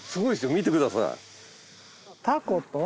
見てください。